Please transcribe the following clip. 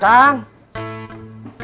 ya ini itu